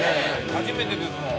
初めてですもん。